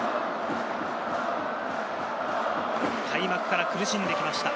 開幕から苦しんできました。